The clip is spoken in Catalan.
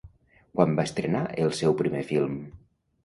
Quan va estrenar el seu primer film?